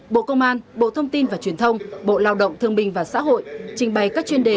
bộ công an bộ thông tin và truyền thông bộ lao động thương minh và xã hội trình bày các chuyên đề